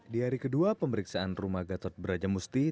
di hari kedua pemeriksaan rumah gatot brajamusti